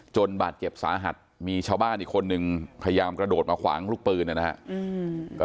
บาดเจ็บสาหัสมีชาวบ้านอีกคนนึงพยายามกระโดดมาขวางลูกปืนนะครับ